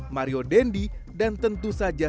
mario dendi dan tentu saja